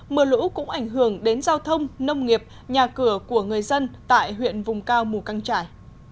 mưa lũ cũng ảnh hưởng đến giao thông nông nghiệp nhà cửa của người dân tại huyện vùng cao mù căng trải